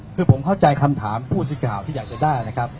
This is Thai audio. คือผมเข้าใจคำถามผู้สื่อข่าวที่อยากจะได้นะครับ